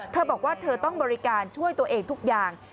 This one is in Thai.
เธอบอกว่าเธอต้องบริการช่วยตัวเองทุกอย่าง